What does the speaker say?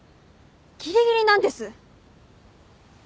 ギリギリなんです。